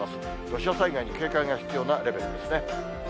土砂災害に警戒が必要なレベルですね。